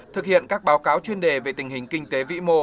thực hiện các báo cáo chuyên đề về tình hình kinh tế vĩ mô